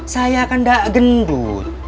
saya kan gak gendut